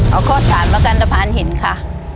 เอาข้อสามแล้วกันตะพานหินค่ะ